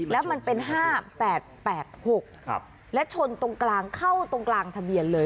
แล้วมันเป็น๕๘๘๖และชนตรงกลางเข้าตรงกลางทะเบียนเลย